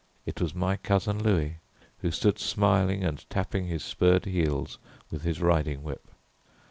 It was my cousin Louis, who stood smiling and tapping his spurred heels with his riding whip.